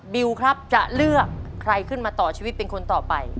บิวครับจะเลือกใครขึ้นมาต่อชีวิตเป็นคนต่อไป